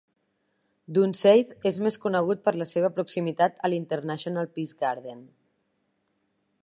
Dunseith és més conegut per la seva proximitat al International Peace Garden.